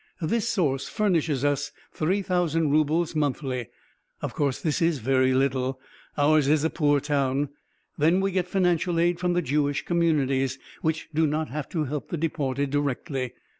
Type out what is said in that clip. This source furnishes us 3,000 rubles monthly. Of course this is very little, ours is a poor town. Then we get financial aid from the Jewish communities, which do not have to help the deported directly.